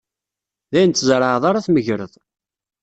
D ayen tzerɛed ara tmegred.